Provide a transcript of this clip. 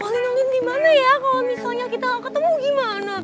kayaknya ada ayam di mana ya kalo misalnya kita gak ketemu gimana